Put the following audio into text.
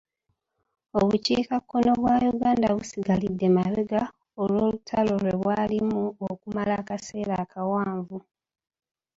Obukiikakkono bwa Uganda busigalidde emabega olw'olutalo lwe bwalimu okumala akaseera akawanvu.